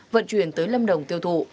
vận chuyển tới lâm đồng tiêu thụ